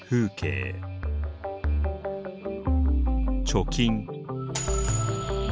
貯金。